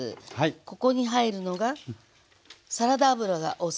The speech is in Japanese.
ここに入るのがサラダ油が大さじ１杯。